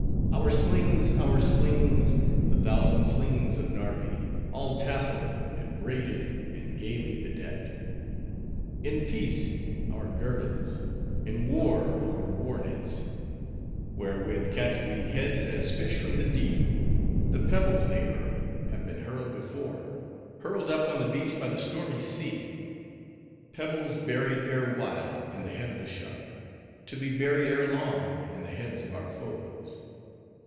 Our slings! our slings! The thousand slings of Narvi! All tasseled, and braided, and gayly bedecked. In peace, our girdles; in war, our war nets; Wherewith catch we heads as fish from the deep! The pebbles they hurl, have been hurled before,— Hurled up on the beach by the stormy sea! Pebbles, buried erewhile in the head of the shark: To be buried erelong in the heads of our foes!